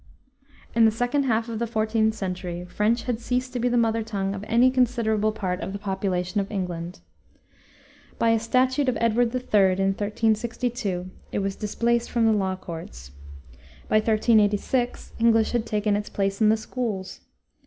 In the second half of the 14th century French had ceased to be the mother tongue of any considerable part of the population of England. By a statute of Edward III., in 1362, it was displaced from the law courts. By 1386 English had taken its place in the schools.